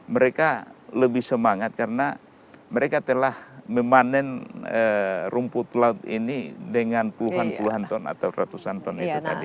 mereka lebih semangat karena mereka telah memanen rumput laut ini dengan puluhan puluhan ton atau ratusan ton itu tadi